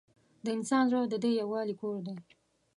د انسان زړه د دې یووالي کور دی.